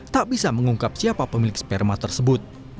tak bisa mengungkap siapa pemilik sperma tersebut